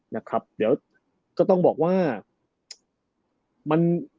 นะครับเดี๋ยวก็ต้องบอกว่ามัน